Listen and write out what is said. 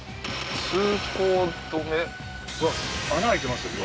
通行止めうわ穴空いてますよ